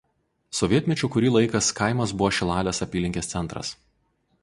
Sovietmečiu kurį laikas kaimas buvo Šilalės apylinkės centras.